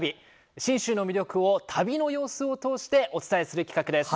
信州の魅力を、旅の様子を通してお伝えする企画です。